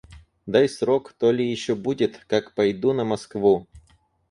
Дай срок, то ли еще будет, как пойду на Москву.